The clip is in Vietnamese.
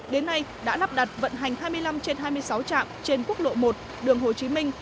đến nay đã lắp đặt vận hành hai mươi năm trên hai mươi sáu trạm trên quốc lộ một đường hồ chí minh